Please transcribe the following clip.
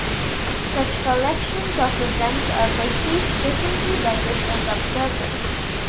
Such collections of events are perceived differently by different observers.